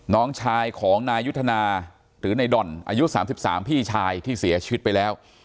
น้องชายของนายยุทธนาหรือในด่อนอายุ๓๓พี่ชายที่เสียชีวิตไปแล้ว